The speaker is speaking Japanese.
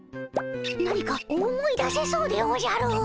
何か思い出せそうでおじゃる。